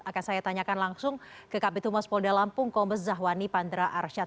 akan saya tanyakan langsung ke kabupaten tumas polda lampung kompes zahwani pandra arsyad